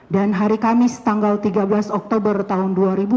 dan hari kamis tanggal tiga belas oktober tahun dua ribu enam belas